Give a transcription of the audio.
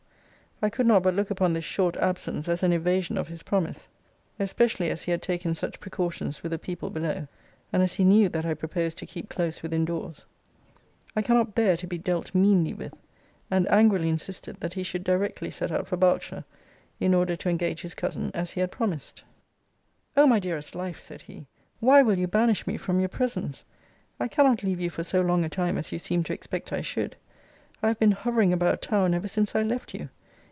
I could not but look upon this short absence as an evasion of his promise; especially as he had taken such precautions with the people below; and as he knew that I proposed to keep close within doors. I cannot bear to be dealt meanly with; and angrily insisted that he should directly set out for Berkshire, in order to engage his cousin, as he had promised. O my dearest life, said he, why will you banish me from your presence? I cannot leave you for so long a time as you seem to expect I should. I have been hovering about town ever since I left you.